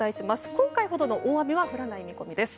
今回ほどの大雨は降らない見込みです。